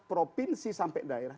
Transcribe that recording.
provinsi sampai daerah